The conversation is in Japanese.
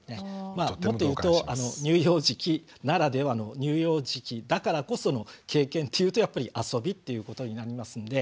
まあもっと言うと乳幼児期ならではの乳幼児期だからこその経験っていうとやっぱり遊びっていうことになりますので。